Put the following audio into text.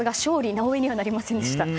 「なおエ」にはなりませんでした。